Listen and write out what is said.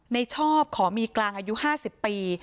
ชอบขอมีกลางอายุ๕๐ปี